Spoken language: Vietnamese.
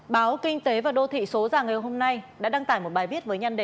báo kinh tế và đô thị số giả nghêu hôm nay đã đăng tải một bài viết với nhăn đề này